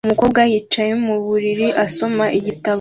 Umukobwa yicaye mu buriri asoma igitabo